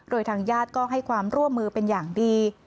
โดยทางญาติก็ให้ความร่วมมือเป็นอย่างดี